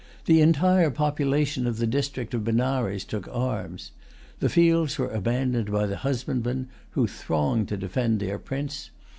The entire population[Pg 187] of the district of Benares took arms. The fields were abandoned by the husbandmen, who thronged to defend their prince.